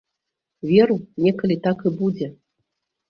Веру, некалі так і будзе.